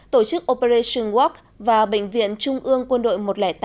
tổ chức operation walk và bệnh viện trung ương quân đội một trăm linh tám